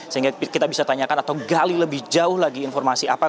sehingga kita bisa tanyakan atau gali lebih jauh lagi informasi apa